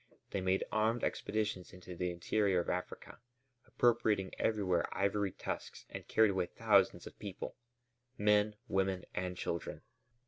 They made armed expeditions into the interior of Africa, appropriating everywhere ivory tusks, and carried away thousands of people: men, women, and children.